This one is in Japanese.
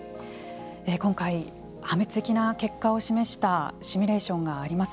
今回破滅的な結果を示したシミュレーションがあります。